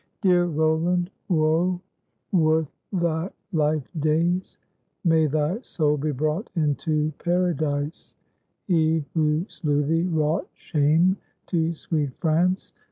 " Dear Roland, woe worth thy life days ! May thy soul be brought into Paradise. He who slew thee wrought shame to sweet France.